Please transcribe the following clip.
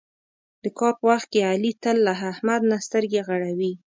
د کار په وخت کې علي تل له احمد نه سترګې غړوي.